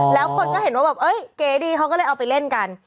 แล้วคนก็เห็นว่าแบบเอ้ยเก๋ดีเขาก็เลยเอาไปเล่นกัน